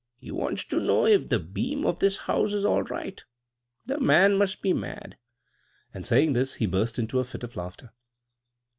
He wants to know if the beam of this house is all right. The man must be mad!" and saying this, he burst into a fit of laughter.